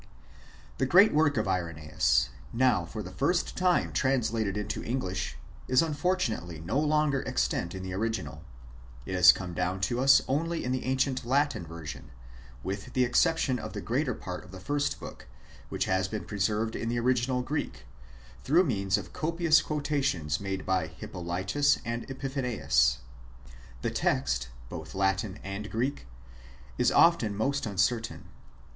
The great work of Irenoeus, now for the first time trans lated into English, is unfortunately no longer extant in the original. It has come down to us only in an ancient Latin version, with the exception of the greater part of the first book, which has been preserved in the original Greek, througli means of copious quotations made by Hippolytus and Epi phanius. The text, both Latin and Greek, is often most uncertain.